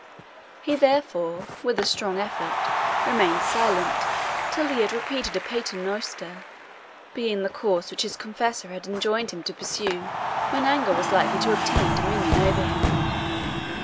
He therefore, with a strong effort, remained silent till he had repeated a pater noster, being the course which his confessor had enjoined him to pursue when anger was likely to obtain dominion over him.